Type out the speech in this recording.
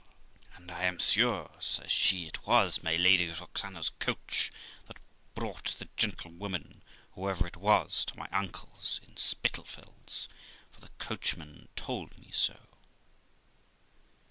'And I am sure', says she, 'it was my Lady Roxana's coach that brought the gentlewoman, whoever it was, to my uncle's in 23 354 THE LIFE OF ROXANA Spitalfields, for the coachman told me so.'